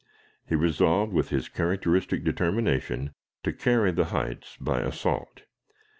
He resolved, with his characteristic determination, to carry the heights by assault.